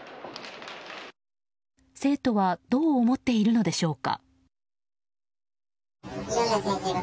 生徒はどう思っているのでしょうか。